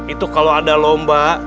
itu kalau ada lomba